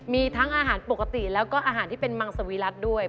มีทั้งอาหารปกติแล้วก็อาหารที่เป็นมังสวีรัติด้วย